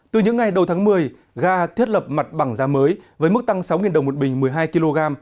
từ những ngày đầu tháng một mươi ga thiết lập mặt bằng giá mới với mức tăng sáu đồng một bình một mươi hai kg